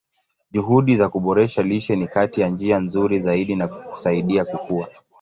Juhudi za kuboresha lishe ni kati ya njia nzuri zaidi za kusaidia kukua.